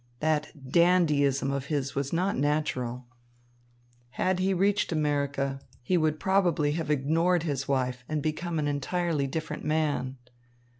That dandyism of his was not natural. Had he reached America, he would probably have ignored his wife and become an entirely different man.